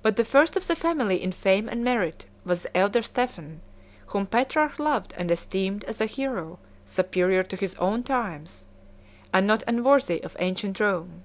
But the first of the family in fame and merit was the elder Stephen, whom Petrarch loved and esteemed as a hero superior to his own times, and not unworthy of ancient Rome.